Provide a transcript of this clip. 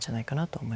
はい。